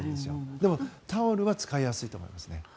でもタオルは使いやすいと思います。